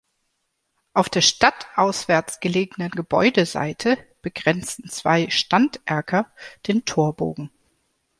Auf der stadtauswärts gelegenen Gebäudeseite begrenzen zwei Standerker den Torbogen.